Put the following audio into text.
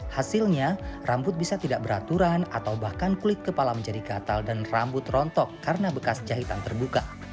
hasilnya rambut bisa tidak beraturan atau bahkan kulit kepala menjadi gatal dan rambut rontok karena bekas jahitan terbuka